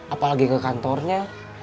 apalagi ke kantornya